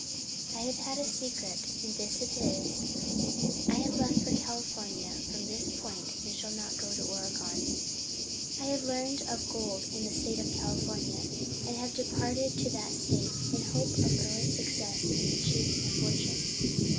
I have had a Secret and this is it: I have left for California from this Point and shall not go to Oregon. I have learned of Gold in the State of California, and have departed to that State in the hope of early Success in Achieving a Fortune.